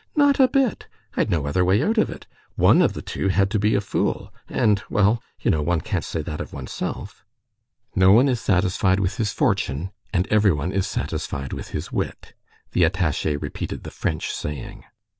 "Not a bit. I'd no other way out of it. One of the two had to be a fool. And, well, you know one can't say that of oneself." "'No one is satisfied with his fortune, and everyone is satisfied with his wit.'" The attaché repeated the French saying.